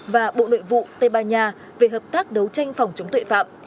và bộ nội vụ tây ban nha về hợp tác đấu tranh phòng chống tội phạm